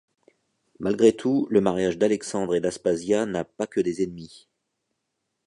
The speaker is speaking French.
Malgré tout, le mariage d’Alexandre et d’Aspasía n’a pas que des ennemis.